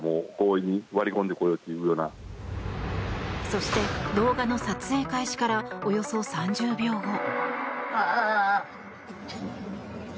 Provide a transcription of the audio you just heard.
そして、動画の撮影開始からおよそ３０秒後。